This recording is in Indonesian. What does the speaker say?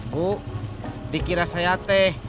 bu dikira saya teh